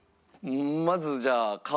まずじゃあ顔。